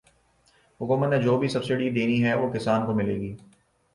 حکومت نے جو بھی سبسڈی دینی ہے وہ کسان کو ملے گی